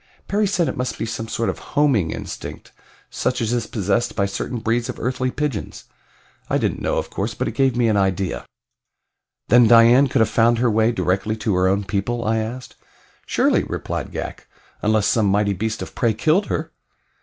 Perry said it must be some sort of homing instinct such as is possessed by certain breeds of earthly pigeons. I didn't know, of course, but it gave me an idea. "Then Dian could have found her way directly to her own people?" I asked. "Surely," replied Ghak, "unless some mighty beast of prey killed her."